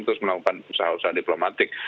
terus melakukan usaha usaha diplomatik